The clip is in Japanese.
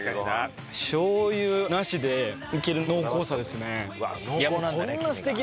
醤油なしでいける濃厚さですね。